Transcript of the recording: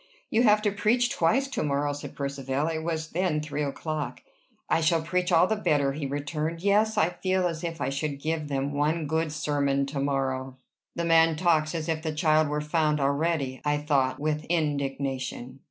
"You have to preach twice to morrow," said Percivale: it was then three o'clock. "I shall preach all the better," he returned. "Yes: I feel as if I should give them one good sermon to morrow." "The man talks as if the child were found already!" I thought, with indignation.